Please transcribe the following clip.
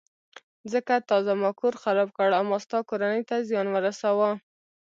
ځکه تا زما کور خراب کړ او ما ستا کورنۍ ته زیان ورساوه.